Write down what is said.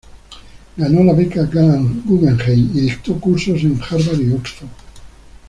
Ganó la Beca Guggenheim y dictó cursos en Harvard y Oxford.